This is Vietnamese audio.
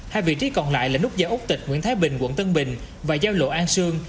hai vị trí còn lại là nút giao úc tịch nguyễn thái bình quận tân bình và giao lộ an sương